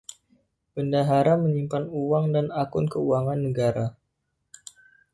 Bendahara menyimpan uang dan akun keuangan negara.